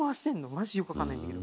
マジよく分かんないんだけど。